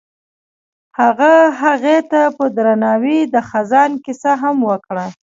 هغه هغې ته په درناوي د خزان کیسه هم وکړه.